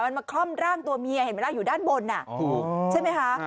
มันมาคล่อมร่างตัวเมียเห็นมั้ยละ